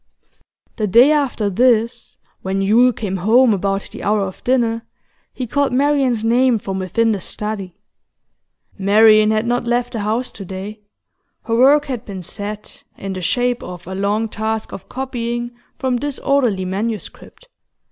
The day after this, when Yule came home about the hour of dinner, he called Marian's name from within the study. Marian had not left the house to day; her work had been set, in the shape of a long task of copying from disorderly manuscript.